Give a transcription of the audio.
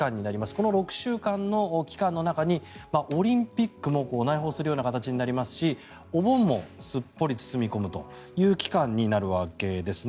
この６週間の期間の中にオリンピックも内包するような形になりますしお盆もすっぽり包み込むという期間になるわけですね。